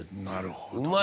なるほど。